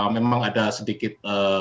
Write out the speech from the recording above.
memang ada sedikit